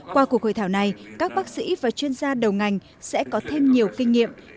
qua cuộc hội thảo này các bác sĩ và chuyên gia đầu ngành sẽ có thêm nhiều kinh nghiệm